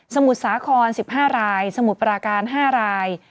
มุทรสาคร๑๕รายสมุทรปราการ๕ราย